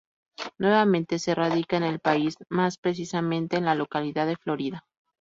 Nuevamente se radica en el país, más precisamente en la localidad de Florida.